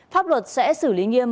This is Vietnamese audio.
pháp luật sẽ xử lý nghiêm